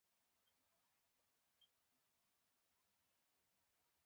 هر څومره ورځې چې په اردن کې اوسېږې.